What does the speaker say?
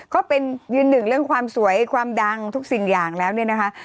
ก็เป็นยืนหนึ่งเรื่องความสวยความดังทุกสิ่งอย่างแล้วเนี่ยนะคะ